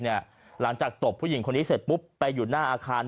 หลังจากตบผู้หญิงคนนี้ไปหยุดหน้าอาคาร